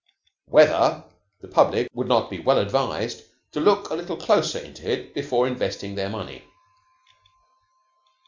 WHETHER the public would not be well advised to look a little closer into it before investing their money?